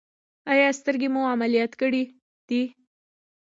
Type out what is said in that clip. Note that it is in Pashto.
ایا سترګې مو عملیات کړي دي؟